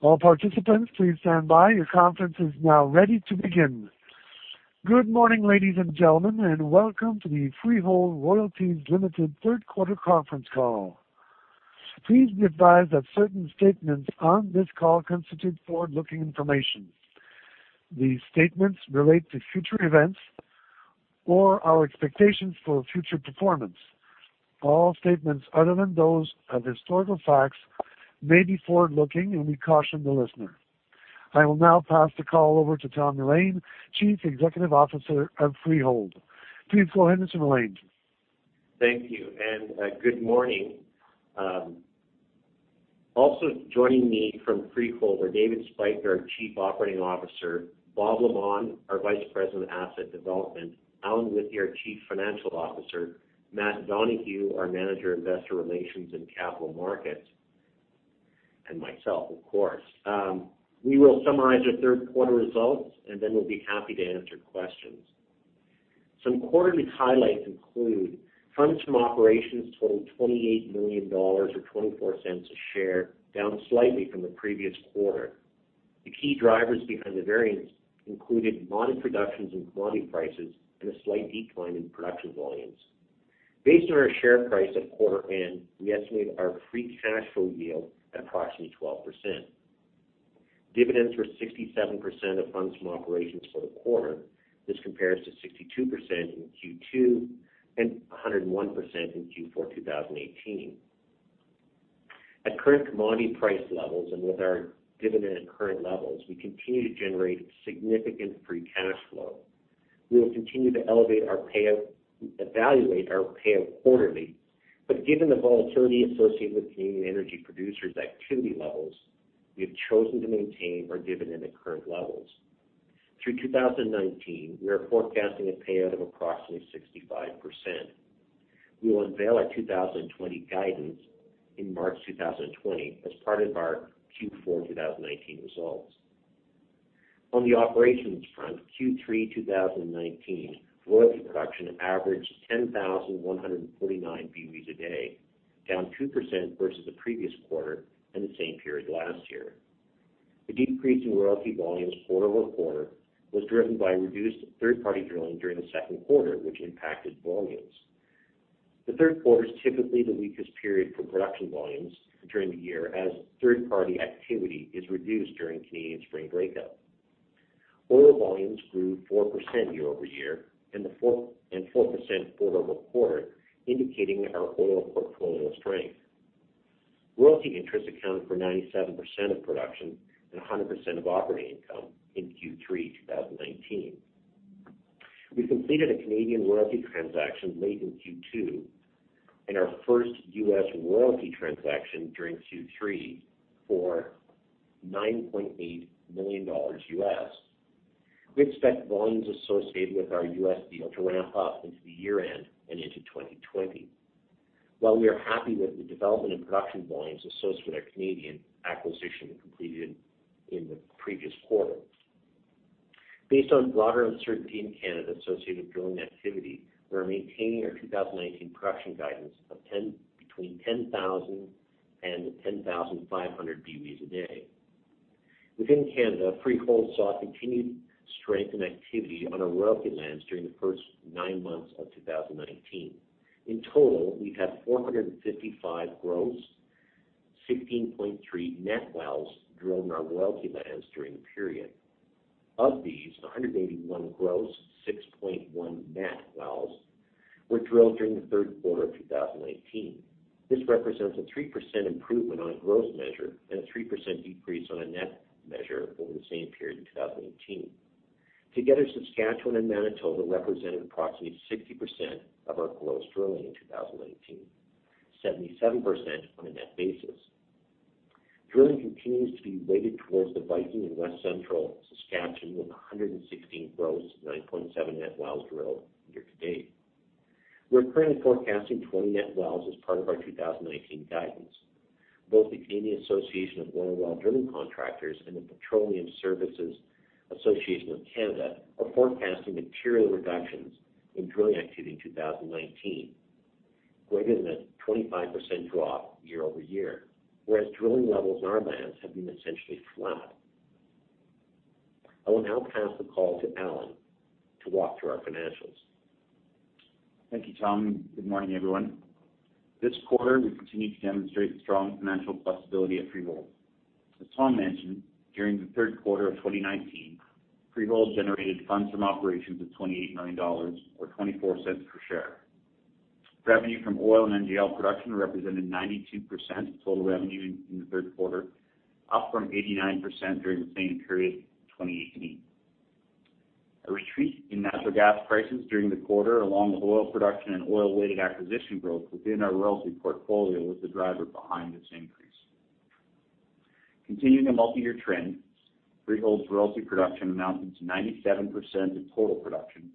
All participants, please stand by. Your conference is now ready to begin. Good morning, ladies and gentlemen, and welcome to the Freehold Royalties Ltd. Third Quarter Conference Call. Please be advised that certain statements on this call constitute forward-looking information. These statements relate to future events or our expectations for future performance. All statements other than those of historical facts may be forward-looking. We caution the listener. I will now pass the call over to Tom Mullane, Chief Executive Officer of Freehold. Please go ahead, Mr. Mullane. Thank you, good morning. Also joining me from Freehold are David Spyker, our Chief Operating Officer, Bob Lamond, our Vice President of Asset Development, Alan Withey, our Chief Financial Officer, Matt Donohue, our Manager, Investor Relations and Capital Markets, and myself, of course. We will summarize our third quarter results, and then we'll be happy to answer questions. Some quarterly highlights include funds from operations totaling 28 million dollars or 0.24 a share, down slightly from the previous quarter. The key drivers behind the variance included moderate reductions in commodity prices and a slight decline in production volumes. Based on our share price at quarter end, we estimate our free cash flow yield at approximately 12%. Dividends were 67% of funds from operations for the quarter. This compares to 62% in Q2 and 101% in Q4 2018. At current commodity price levels and with our dividend at current levels, we continue to generate significant free cash flow. We will continue to evaluate our payout quarterly, but given the volatility associated with Canadian energy producers' activity levels, we have chosen to maintain our dividend at current levels. Through 2019, we are forecasting a payout of approximately 65%. We will unveil our 2020 guidance in March 2020 as part of our Q4 2019 results. On the operations front, Q3 2019 royalty production averaged 10,149 BOEs a day, down 2% versus the previous quarter and the same period last year. The decrease in royalty volumes quarter-over-quarter was driven by reduced third-party drilling during the second quarter, which impacted volumes. The third quarter is typically the weakest period for production volumes during the year, as third-party activity is reduced during Canadian spring breakup. Oil volumes grew 4% year-over-year and 4% quarter-over-quarter, indicating our oil portfolio strength. Royalty interest accounted for 97% of production and 100% of operating income in Q3 2019. We completed a Canadian royalty transaction late in Q2 and our first U.S. royalty transaction during Q3 for $9.8 million. We expect volumes associated with our U.S. deal to ramp up into the year-end and into 2020. While we are happy with the development in production volumes associated with our Canadian acquisition completed in the previous quarter. Based on broader uncertainty in Canada associated with drilling activity, we are maintaining our 2019 production guidance of between 10,000 and 10,500 BOEs a day. Within Canada, Freehold saw continued strength in activity on our royalty lands during the first nine months of 2019. In total, we've had 455 gross, 16.3 net wells drilled on our royalty lands during the period. Of these, 181 gross, 6.1 net wells were drilled during the third quarter of 2018. This represents a 3% improvement on a gross measure and a 3% decrease on a net measure over the same period in 2018. Together, Saskatchewan and Manitoba represented approximately 60% of our gross drilling in 2018, 77% on a net basis. Drilling continues to be weighted towards the Viking in west central Saskatchewan, with 116 gross, 9.7 net wells drilled year to date. We're currently forecasting 20 net wells as part of our 2019 guidance. Both the Canadian Association of Oilwell Drilling Contractors and the Petroleum Services Association of Canada are forecasting material reductions in drilling activity in 2019, greater than a 25% drop year-over-year, whereas drilling levels on our lands have been essentially flat. I will now pass the call to Alan to walk through our financials. Thank you, Tom. Good morning, everyone. This quarter, we continued to demonstrate the strong financial flexibility of Freehold. As Tom mentioned, during the third quarter of 2019, Freehold generated funds from operations of 28 million dollars, or 0.24 per share. Revenue from oil and NGL production represented 92% of total revenue in the third quarter, up from 89% during the same period in 2018. A retreat in natural gas prices during the quarter, along with oil production and oil-weighted acquisition growth within our royalty portfolio, was the driver behind this increase. Continuing a multiyear trend, Freehold's royalty production amounted to 97% of total production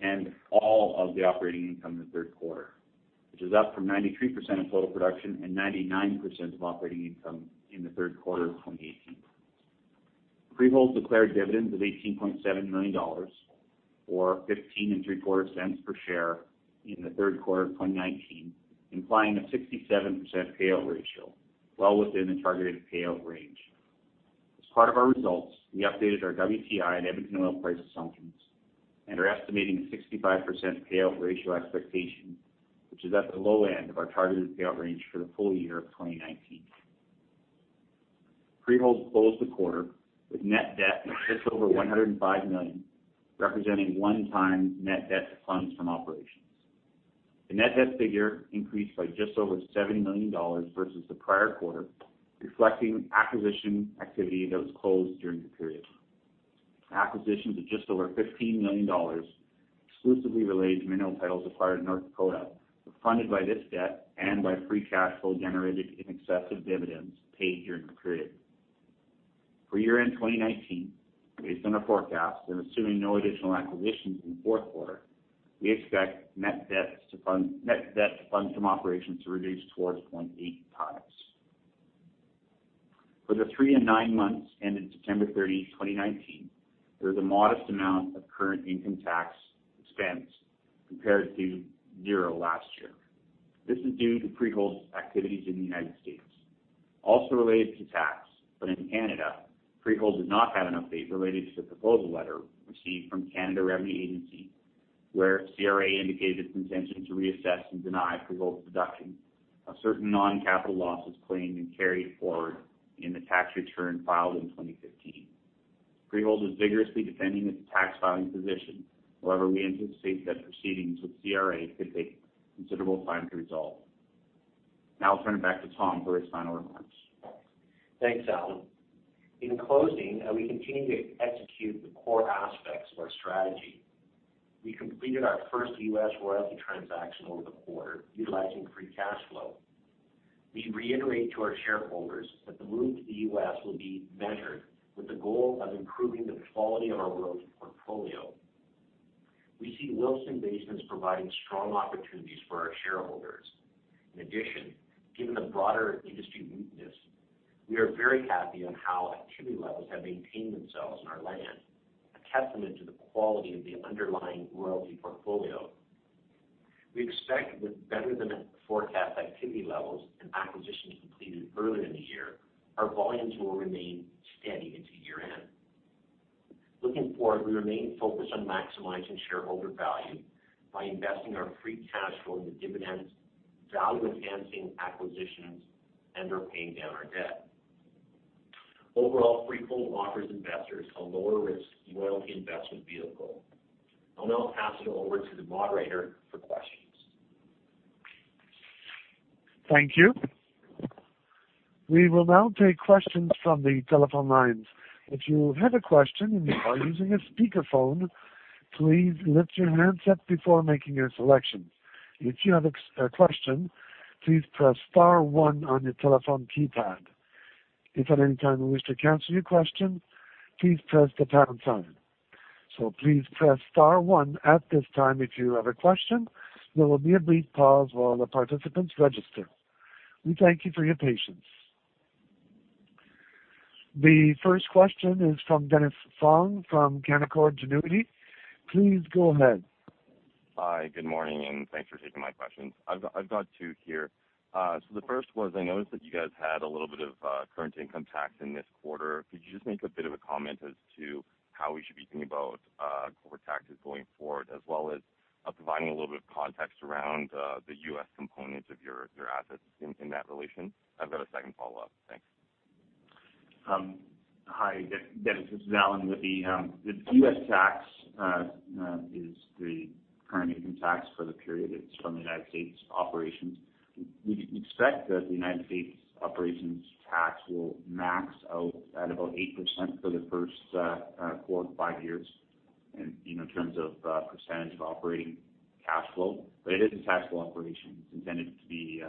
and all of the operating income in the third quarter, which is up from 93% of total production and 99% of operating income in the third quarter of 2018. Freehold declared dividends of 18.7 million dollars, or 0.1575 per share in the third quarter of 2019, implying a 67% payout ratio, well within the targeted payout range. As part of our results, we updated our WTI and Edmonton oil price assumptions and are estimating a 65% payout ratio expectation, which is at the low end of our targeted payout range for the full year of 2019. Freehold closed the quarter with net debt of just over 105 million, representing one-time net debt to funds from operations. The net debt figure increased by just over 70 million dollars versus the prior quarter, reflecting acquisition activity that was closed during the period. Acquisitions of just over 15 million dollars, exclusively related to mineral titles acquired in North Dakota, were funded by this debt and by free cash flow generated in excess of dividends paid during the period. For year-end 2019, based on our forecast and assuming no additional acquisitions in the fourth quarter, we expect net debt to funds from operations to reduce towards 0.8 times. For the three and nine months ended September 30, 2019, there is a modest amount of current income tax expense compared to zero last year. This is due to Freehold's activities in the United States. Also related to tax, but in Canada, Freehold does not have an update related to the proposal letter received from Canada Revenue Agency, where CRA indicated its intention to reassess and deny Freehold's deduction of certain non-capital losses claimed and carried forward in the tax return filed in 2015. Freehold is vigorously defending its tax filing position. However, we anticipate that proceedings with CRA could take considerable time to resolve. Now I'll turn it back to Tom for his final remarks. Thanks, Alan. In closing, we continue to execute the core aspects of our strategy. We completed our first U.S. royalty transaction over the quarter utilizing free cash flow. We reiterate to our shareholders that the move to the U.S. will be measured with the goal of improving the quality of our royalty portfolio. We see Williston Basin providing strong opportunities for our shareholders. In addition, given the broader industry weakness, we are very happy on how activity levels have maintained themselves on our land, a testament to the quality of the underlying royalty portfolio. We expect with better-than-forecast activity levels and acquisitions completed earlier in the year, our volumes will remain steady into year-end. Looking forward, we remain focused on maximizing shareholder value by investing our free cash flow into dividends, value-enhancing acquisitions, and/or paying down our debt. Overall, Freehold offers investors a lower-risk royalty investment vehicle. I'll now pass it over to the moderator for questions. Thank you. We will now take questions from the telephone lines. If you have a question and you are using a speakerphone, please lift your handset before making your selection. If you have a question, please press star one on your telephone keypad. If at any time you wish to cancel your question, please press the pound sign. Please press star one at this time if you have a question. There will be a brief pause while the participants register. We thank you for your patience. The first question is from Dennis Fong from Canaccord Genuity. Please go ahead. Hi, good morning, and thanks for taking my questions. I've got two here. The first was, I noticed that you guys had a little bit of current income tax in this quarter. Could you just make a bit of a comment as to how we should be thinking about corporate taxes going forward, as well as providing a little bit of context around the U.S. component of your assets in that relation? I've got a second follow-up. Thanks. Hi, Dennis. This is Alan. The U.S. tax is the current income tax for the period. It's from the U.S. operations. We expect that the U.S. operations tax will max out at about 8% for the first four to five years in terms of percentage of operating cash flow. It is a taxable operation. It's intended to be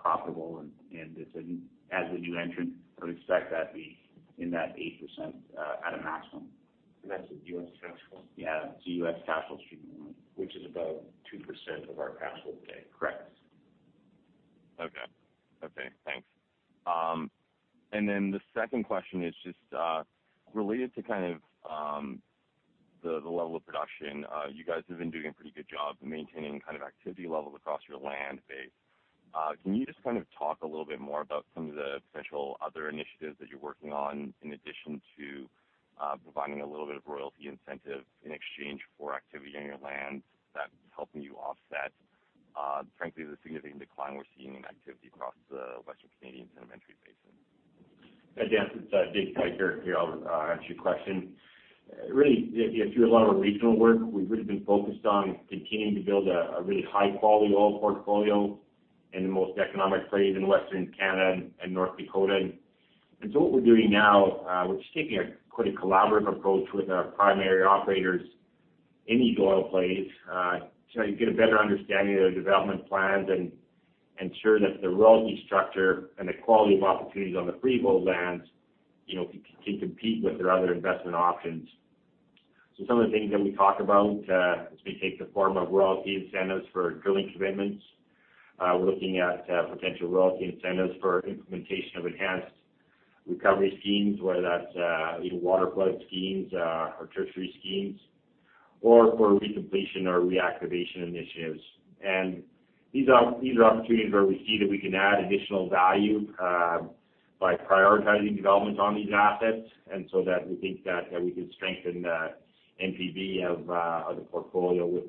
profitable, and as a new entrant, I would expect that to be in that 8% at a maximum. That's the U.S. cash flow? Yeah, it's a U.S. cash flow stream. Which is about 2% of our cash flow today. Correct. Okay. Thanks. The second question is just related to the level of production. You guys have been doing a pretty good job maintaining activity levels across your land base. Can you just talk a little bit more about some of the potential other initiatives that you're working on in addition to providing a little bit of royalty incentive in exchange for activity on your lands that's helping you offset, frankly, the significant decline we're seeing in activity across the Western Canadian Sedimentary Basin? Hi, Dennis. It's Dave Spyker here. I'll answer your question. Really, if you're familiar with our regional work, we've really been focused on continuing to build a really high-quality oil portfolio in the most economic plays in Western Canada and North Dakota. What we're doing now, we're just taking quite a collaborative approach with our primary operators in these oil plays to get a better understanding of their development plans and ensure that the royalty structure and the quality of opportunities on the Freehold lands can compete with their other investment options. Some of the things that we talk about, this may take the form of royalty incentives for drilling commitments. We're looking at potential royalty incentives for implementation of enhanced recovery schemes, whether that's waterflood schemes or tertiary schemes, or for recompletion or reactivation initiatives. These are opportunities where we see that we can add additional value by prioritizing development on these assets, that we think that we can strengthen the NPV of the portfolio with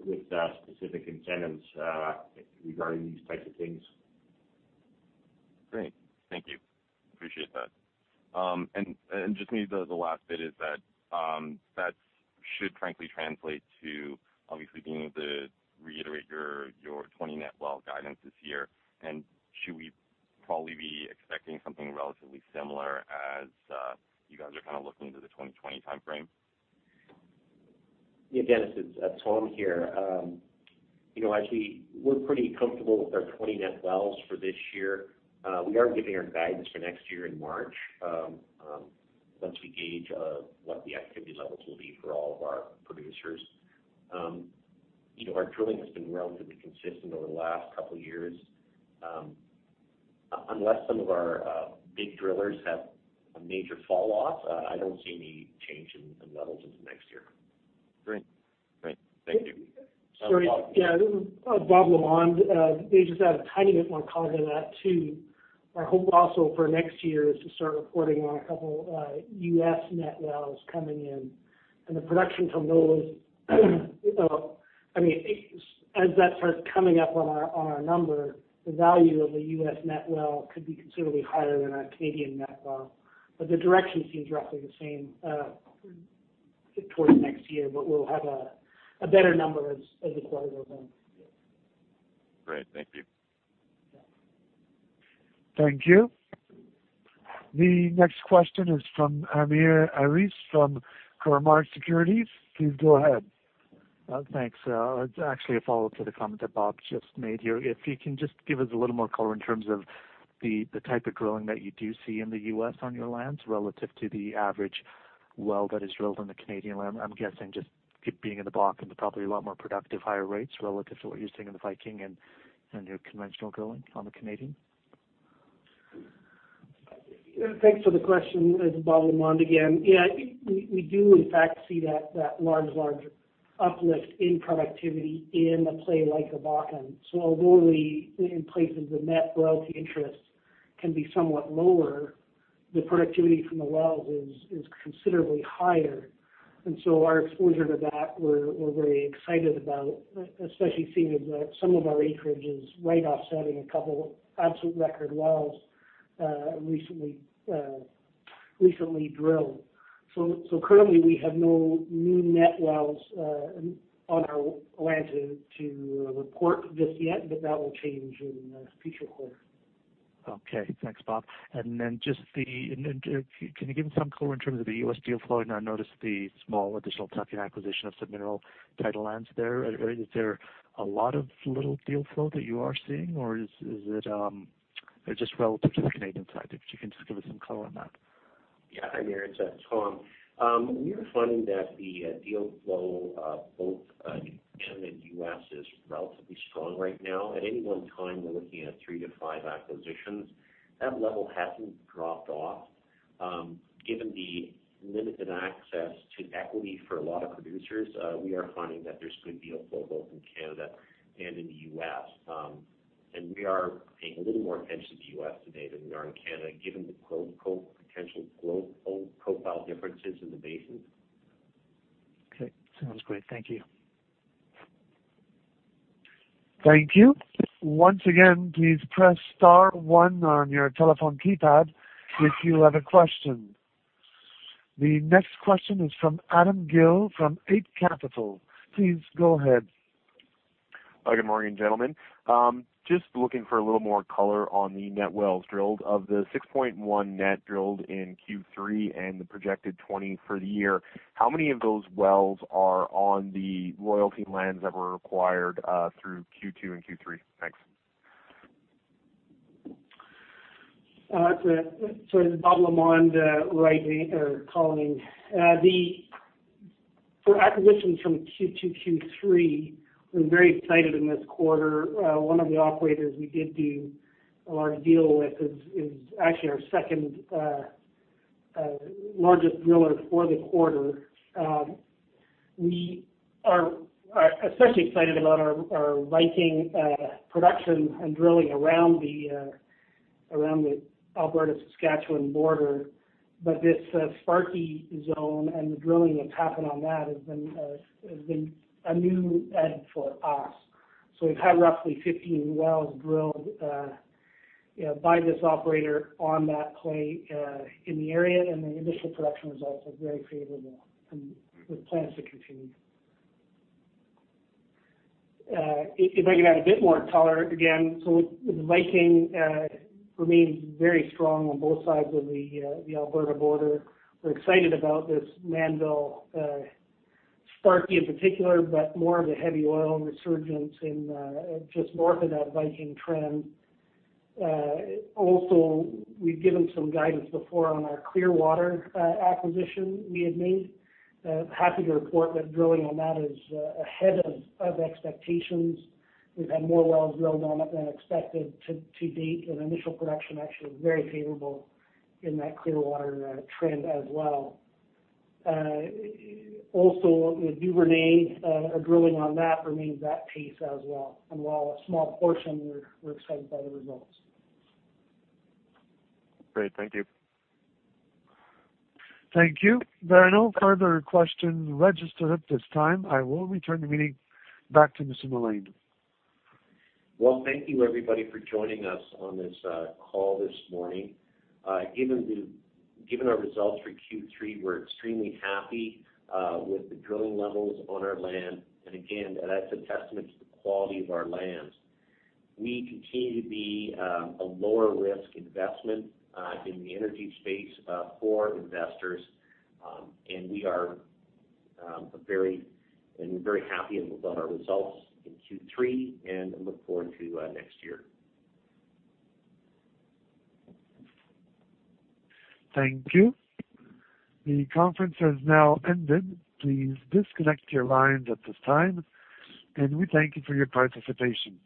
specific incentives regarding these types of things. Great. Thank you. Appreciate that. Just maybe the last bit is that should frankly translate to obviously being able to reiterate your 20 net well guidance this year. Should we probably be expecting something relatively similar as you guys are kind of looking into the 2020 timeframe? Yeah, Dennis, it's Tom here. Actually, we're pretty comfortable with our 20 net wells for this year. We are giving our guidance for next year in March, once we gauge what the activity levels will be for all of our producers. Our drilling has been relatively consistent over the last two years. Unless some of our big drillers have a major fall off, I don't see any change in levels into next year. Great. Thank you. Sorry. This is Bob Lamond. I just have a tiny bit more color to that, too. Our hope also for next year is to start reporting on a couple of U.S. net wells coming in, and the production from those. As that starts coming up on our number, the value of a U.S. net well could be considerably higher than a Canadian net well. The direction seems roughly the same towards next year. We'll have a better number as the quarter goes on. Great. Thank you. Yeah. Thank you. The next question is from Amir Arif from Cormark Securities. Please go ahead. Thanks. It's actually a follow-up to the comment that Bob just made here. If you can just give us a little more color in terms of the type of drilling that you do see in the U.S. on your lands relative to the average well that is drilled on the Canadian land. I'm guessing just it being in the Bakken, they're probably a lot more productive, higher rates relative to what you're seeing in the Viking and your conventional drilling on the Canadian. Thanks for the question. It's Bob Lamond again. Yeah, we do in fact see that large uplift in productivity in a play like a Bakken. Although in places the net royalty interest can be somewhat lower, the productivity from the wells is considerably higher. Our exposure to that, we're very excited about, especially seeing as some of our acreage is right offsetting a couple absolute record wells recently drilled. Currently, we have no new net wells on our land to report just yet, but that will change in a future quarter. Okay, thanks Bob. Can you give me some color in terms of the U.S. deal flow? I noticed the small additional tuck-in acquisition of some mineral title lands there. Is there a lot of little deal flow that you are seeing, or is it just relative to the Canadian side? If you can just give us some color on that. Yeah, Amir, it's Tom. We are finding that the deal flow, both in Canada and U.S., is relatively strong right now. At any one time, we're looking at three to five acquisitions. That level hasn't dropped off. Given the limited access to equity for a lot of producers, we are finding that there's good deal flow both in Canada and in the U.S. We are paying a little more attention to the U.S. today than we are in Canada, given the potential profile differences in the basins. Okay, sounds great. Thank you. Thank you. Once again, please press star one on your telephone keypad if you have a question. The next question is from Adam Gill from Eight Capital. Please go ahead. Good morning, gentlemen. Just looking for a little more color on the net wells drilled. Of the 6.1 net drilled in Q3 and the projected 20 for the year, how many of those wells are on the royalty lands that were acquired through Q2 and Q3? Thanks. Sorry. This is Bob Lamond, calling in. For acquisitions from Q2, Q3, we're very excited in this quarter. One of the operators we did do a large deal with is actually our second-largest driller for the quarter. We are especially excited about our Viking production and drilling around the Alberta-Saskatchewan border. This Sparky zone and the drilling that's happened on that has been a new add for us. We've had roughly 15 wells drilled by this operator on that play in the area, and the initial production results are very favorable with plans to continue. If I can add a bit more color again, the Viking remains very strong on both sides of the Alberta border. We're excited about this Mannville Sparky in particular, more of the heavy oil resurgence in just north of that Viking trend. We've given some guidance before on our Clearwater acquisition we had made. Happy to report that drilling on that is ahead of expectations. We've had more wells drilled on it than expected to date, and initial production actually is very favorable in that Clearwater trend as well. The Duvernay drilling on that remains at pace as well. While a small portion, we're excited by the results. Great. Thank you. Thank you. There are no further questions registered at this time. I will return the meeting back to Mr. Mullane. Well, thank you everybody for joining us on this call this morning. Given our results for Q3, we're extremely happy with the drilling levels on our land. Again, that's a testament to the quality of our lands. We continue to be a lower-risk investment in the energy space for investors. We are very happy with our results in Q3 and look forward to next year. Thank you. The conference has now ended. Please disconnect your lines at this time, and we thank you for your participation.